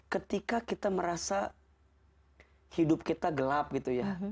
ketika kita merasa hidup kita gelap gitu ya